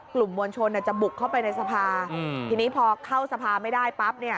กลุ่มมวลชนจะบุกเข้าไปในสภาทีนี้พอเข้าสภาไม่ได้ปั๊บเนี่ย